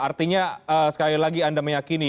artinya sekali lagi anda meyakini